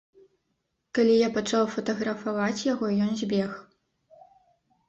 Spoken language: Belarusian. Калі я пачаў фатаграфаваць яго, ён збег.